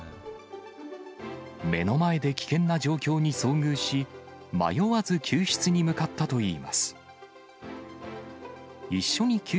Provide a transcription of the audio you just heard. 目の前で危険な状況に遭遇し、迷わず救出に向かったといいます。